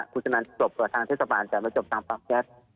คุณจนันทร์จบต่อทางเทศบาลจากนั้นจบตามปั๊มแก๊ส